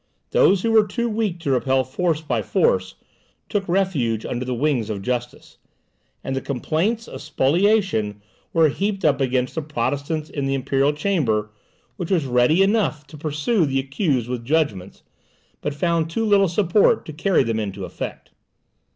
Those who were too weak to repel force by force, took refuge under the wings of justice; and the complaints of spoliation were heaped up against the Protestants in the Imperial Chamber, which was ready enough to pursue the accused with judgments, but found too little support to carry them into effect.